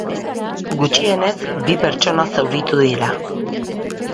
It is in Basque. Gutxienez bi pertsona zauritu dira.